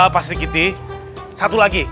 pak sri kiti satu lagi